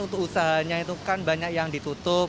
untuk usahanya itu kan banyak yang ditutup